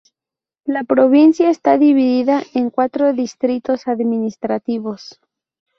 La provincia está dividida en cuatro distritos administrativos.